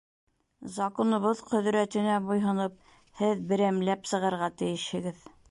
Законыбыҙ ҡөҙрәтенә буйһоноп, һеҙ берәмләп сығырға тейешһегеҙ.